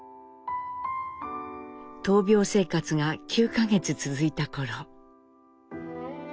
闘病生活が９か月続いた頃。